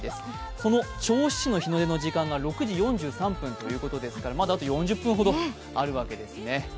その銚子市の日の出の時間が６時４３分ということですからまだあと４０分ほどあるわけですね。